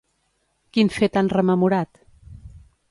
Quin fet han rememorat?